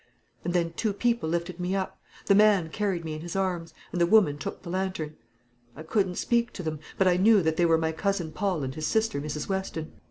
And then two people lifted me up; the man carried me in his arms, and the woman took the lantern. I couldn't speak to them; but I knew that they were my cousin Paul and his sister, Mrs. Weston.